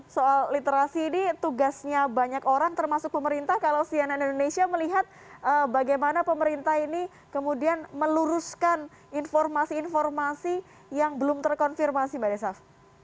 soal literasi ini tugasnya banyak orang termasuk pemerintah kalau cnn indonesia melihat bagaimana pemerintah ini kemudian meluruskan informasi informasi yang belum terkonfirmasi mbak desaf